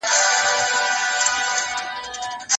کابل وزیر اکبر خان مېنه.